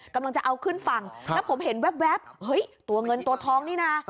กำลังจะเอาขึ้นฝั่งแล้วผมเห็นแว๊บเฮ้ยตัวเงินตัวทองนี่นะ